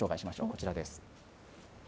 こちらです。